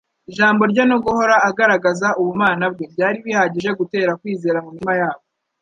Ijambo rye no guhora agaragaza ubumana bwe, byari bihagije gutera kwizera mu mitima yabo.